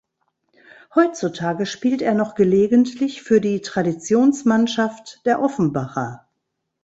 Heutzutage spielt er noch gelegentlich für die Traditionsmannschaft der Offenbacher.